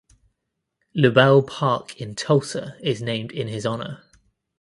Lubell Park in Tulsa is named in his honor.